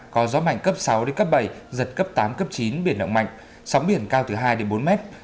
có gió mạnh cấp sáu bảy giật cấp tám chín biển động mạnh sóng biển cao từ hai bốn mét